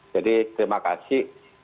jadi terima kasih